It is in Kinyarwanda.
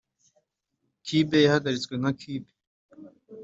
cube yahagaritswe nka cube;